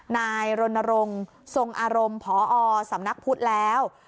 นายรณรงค์ทรงอารมณ์พอสำนักพุทธแล้ว